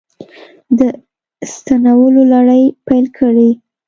د ستنولو لړۍ پیل کړې